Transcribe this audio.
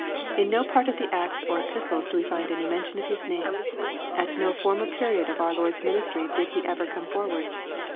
In no part of the Acts or Epistles do we find any mention of his name. At no former period of our Lord's ministry does he ever come forward.